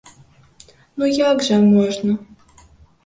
Ну, як жа можна!